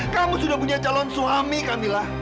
kamu sudah punya calon suami kamila